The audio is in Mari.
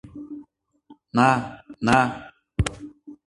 — На, на.